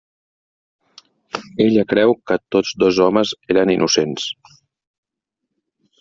Ella creu que tots dos homes eren innocents.